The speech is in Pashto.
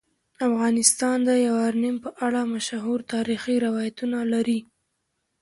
افغانستان د یورانیم په اړه مشهور تاریخی روایتونه لري.